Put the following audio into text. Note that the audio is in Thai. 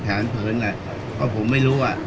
การสำรรค์ของเจ้าชอบใช่